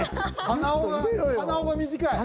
鼻緒が鼻緒が短い。